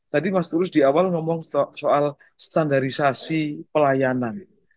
tadi mas tulus di awal ngomong soal standarisasi pelayanan